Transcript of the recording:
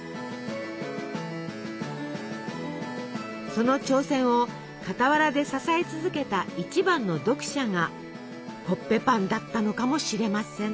その挑戦を傍らで支え続けた一番の読者がコッペパンだったのかもしれません。